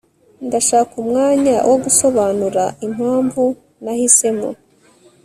ndashaka umwanya wo gusobanura impamvu nahisemo